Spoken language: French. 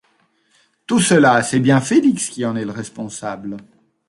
Tout cela, c'est bien Félix qui en est le responsable.